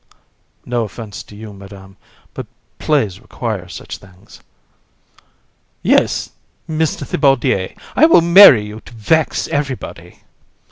VISC. No offence to you, Madam, but plays require such things. COUN. Yes, Mr. Thibaudier, I will marry you to vex everybody.